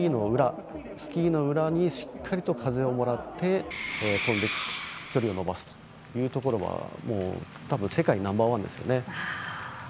スキーの裏にしっかりと風をもらって飛んでいく距離を伸ばすというところはたぶん世界ナンバーワンですよね。